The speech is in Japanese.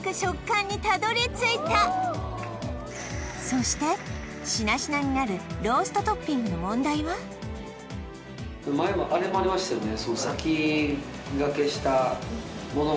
そしてしなしなになるローストトッピングの問題は前もあれもありましたよね